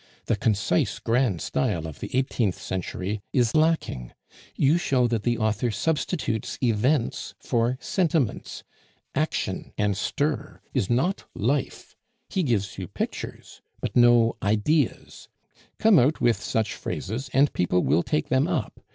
The concise grand style of the eighteenth century is lacking; you show that the author substitutes events for sentiments. Action and stir is not life; he gives you pictures, but no ideas. "Come out with such phrases, and people will take them up.